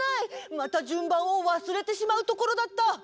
またじゅんばんをわすれてしまうところだった！